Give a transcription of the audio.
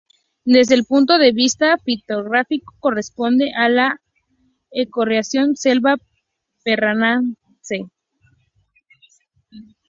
Desde el punto de vista fitogeográfico corresponde a la ecorregión selva paranaense.